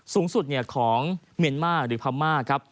สูงสุดของเมียนมาหรือพามา